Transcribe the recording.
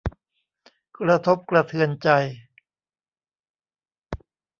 กระทบกระเทือนใจ